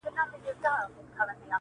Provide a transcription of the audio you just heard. خر د قندو په خوند څه پوهېږي.